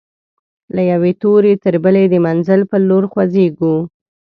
له یوې توري تر بلي د منزل پر لور خوځيږو